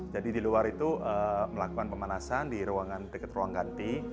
jadi di luar itu melakukan pemanasan di deket ruang ganti